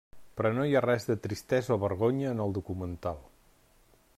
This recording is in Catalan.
Però no hi ha res de tristesa o vergonya en el documental.